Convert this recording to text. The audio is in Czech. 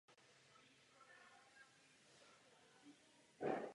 Na jeho místě stála v minulosti románská kaple.